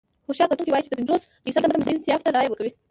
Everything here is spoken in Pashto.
هوښیار کتونکي وايي چې تر پينځوس فيصده مجاهدين سیاف ته رايه ورکوي.